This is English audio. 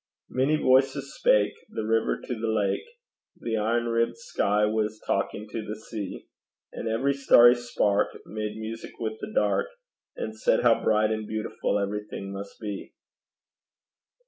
Many voices spake The river to the lake, The iron ribbed sky was talking to the sea; And every starry spark Made music with the dark, And said how bright and beautiful everything must be.